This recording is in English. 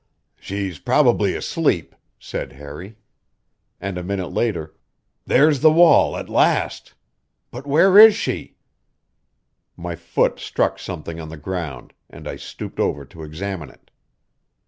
"She's probably asleep," said Harry. And a minute later: "There's the wall at last! But where is she?" My foot struck something on the ground, and I stooped over to examine it.